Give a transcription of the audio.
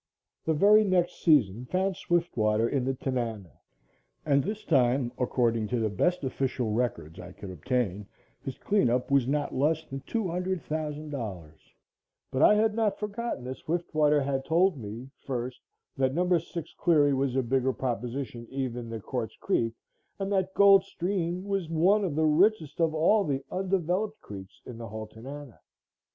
The very next season found Swiftwater in the Tanana and this time, according to the best official records I could obtain, his clean up was not less than $200,000. But I had not forgotten that Swiftwater had told me, first that Number 6 Cleary was a bigger proposition even than Quartz Creek, and that Gold Stream was one of the richest of all the undeveloped creeks in the whole Tanana.